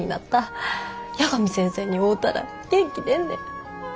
八神先生に会うたら元気出んねん。